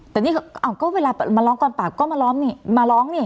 แต่นี่เวลามาร้องกองปราบก็มาร้องนี่